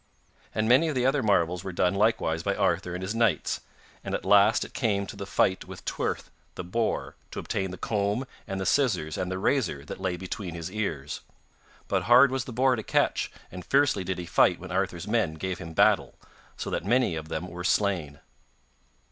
And many of the other marvels were done likewise by Arthur and his knights, and at last it came to the fight with Trwyth the board, to obtain the comb and the scissors and the razor that lay between his ears. But hard was the boar to catch, and fiercely did he fight when Arthur's men gave him battle, so that many of them were slain.